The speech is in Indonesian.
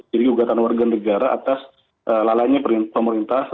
jadi gugatan warga negara atas lalanya pemerintah